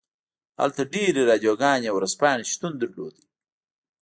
هلته ډیرې راډیوګانې او ورځپاڼې شتون درلود